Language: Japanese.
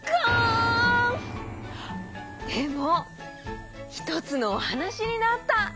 でもひとつのおはなしになった！